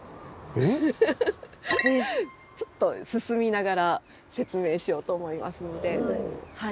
ちょっと進みながら説明しようと思いますので。